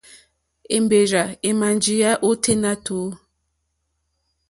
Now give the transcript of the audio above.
Èmbèrzà èmà njíyá ôténá tùú.